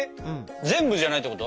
全部じゃないってこと？